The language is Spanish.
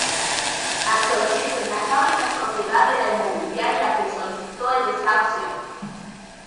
Actualmente la fábrica es propiedad de la inmobiliaria que solicitó el desahucio.